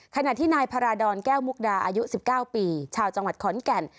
ขณะที่นายพาราดรแก้วมุกดาอายุ๑๙ปีชาวจังหวัดขอนแก่น